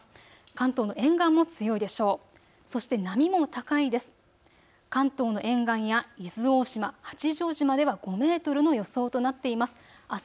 関東の沿岸や伊豆大島、八丈島では５メートルの予想となっています。